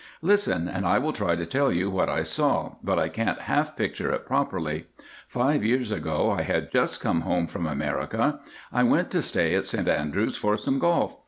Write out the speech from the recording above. "Listen, and I will try to tell you what I saw, but I can't half picture it properly. Five years ago I had just come home from America. I went to stay at St Andrews for some golf.